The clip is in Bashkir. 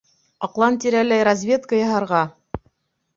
Аҡлан тирәләй разведка яһарға!